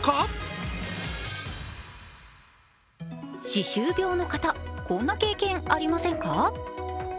歯周病の方、こんな経験ありませんか？